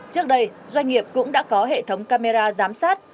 trước đây doanh nghiệp cũng đã có hệ thống camera giám sát